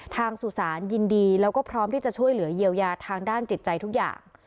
สุสานยินดีแล้วก็พร้อมที่จะช่วยเหลือเยียวยาทางด้านจิตใจทุกอย่าง